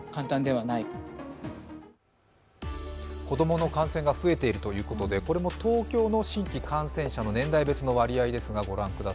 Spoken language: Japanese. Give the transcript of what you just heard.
子供の感染が増えているということで東京の新規感染者の年代別の割合です。